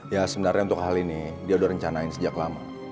ya sebenarnya untuk hal ini dia udah rencanain sejak lama